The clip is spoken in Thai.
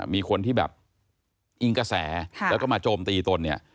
มีคนที่แบบอิงกระแสแล้วก็มาโจมตีตนเนี่ย